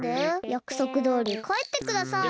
やくそくどおりかえってください。